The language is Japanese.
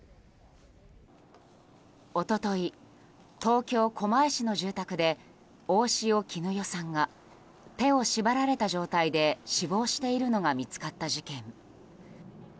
一昨日、東京・狛江市の住宅で大塩衣與さんが手を縛られた状態で死亡しているのが見つかった事件。